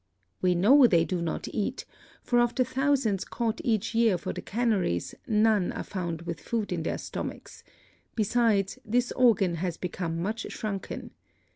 We know they do not eat, for of the thousands caught each year for the canneries none are found with food in their stomachs; besides, this organ has become much shrunken.